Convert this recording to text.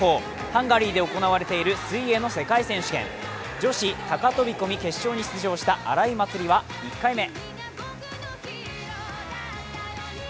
ハンガリーで行われている水泳の世界選手権、女子高飛び込み決勝に出場した荒井祭里は１回目。